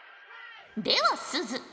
ではすず。